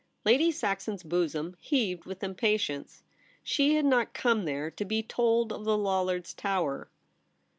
Lady Saxon's bosom heaved with impatience. She had not come there to be told of the Lollards' Tower.